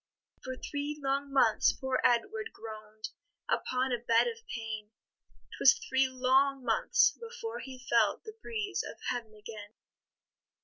For three long months poor Edward groan'd Upon a bed of pain; 'Twas three long months before he felt The breeze of heaven again.